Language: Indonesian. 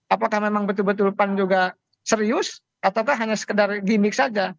apakah memang betul betul pan juga serius ataukah hanya sekedar gimmick saja